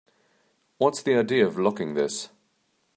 What's the idea of locking this?